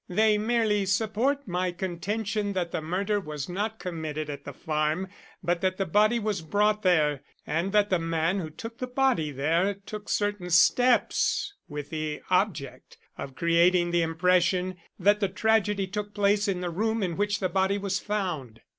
"They merely support my contention that the murder was not committed at the farm, but that the body was brought there, and that the man who took the body there took certain steps with the object of creating the impression that the tragedy took place in the room in which the body was found."